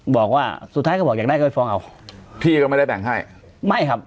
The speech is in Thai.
บอกว่าสุดท้ายก็บอกอยากได้เคยฟ้องเอาพี่ก็ไม่ได้แบ่งให้ไม่ครับ